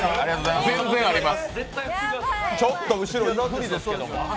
全然あります。